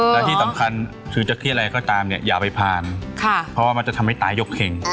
และที่สำคัญคือจะเครียดอะไรก็ตามเนี่ยอย่าไปผ่านเพราะว่ามันจะทำให้ตายกเข่ง